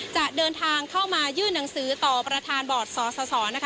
จะเดินทางเข้ามายื่นหนังสือต่อประธานบอร์ดสสนะคะ